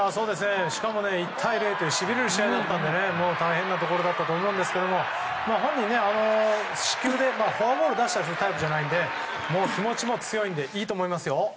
しかも１対０としびれる試合だったので大変なところだったと思うんですけども本人、フォアボールを出すようなタイプじゃないので気持ちも強いのでいいと思いますよ。